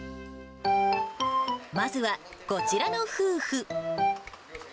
まずは、こちらの夫婦。